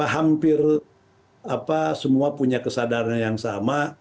hampir semua punya kesadaran yang sama